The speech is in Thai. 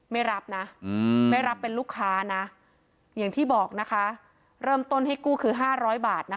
ไม่รับนะไม่รับเป็นลูกค้านะอย่างที่บอกนะคะเริ่มต้นให้กู้คือ๕๐๐บาทนะคะ